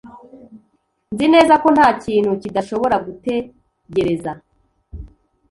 Nzi neza ko ntakintu kidashobora gutegereza.